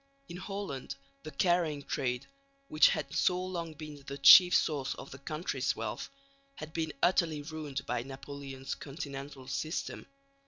In Holland the carrying trade, which had so long been the chief source of the country's wealth, had been utterly ruined by Napoleon's Continental System.